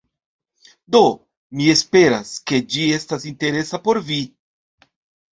Do, mi esperas, ke ĝi estas interesa por vi